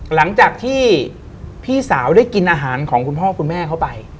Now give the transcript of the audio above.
หลังจากที่พี่สาวได้กินอาหารของคุณพ่อคุณแม่เข้าไป